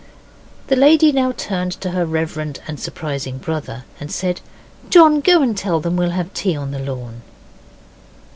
The lady now turned to her reverend and surprising brother and said, 'John, go and tell them we'll have tea on the lawn.